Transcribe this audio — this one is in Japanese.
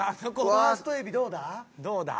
ファーストエビどうだ？